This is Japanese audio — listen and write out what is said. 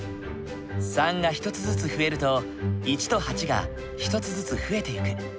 ３が１つずつ増えると１と８が１つずつ増えてゆく。